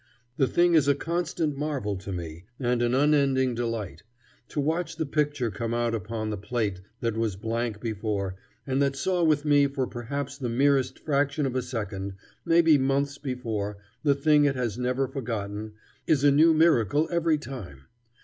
The thing is a constant marvel to me, and an unending delight. To watch the picture come out upon the plate that was blank before, and that saw with me for perhaps the merest fraction of a second, maybe months before, the thing it has never forgotten, is a new miracle every time.